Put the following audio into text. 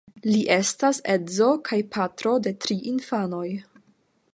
Li estas edzo kaj patro de tri infanoj.